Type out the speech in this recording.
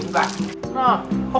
wah aku buka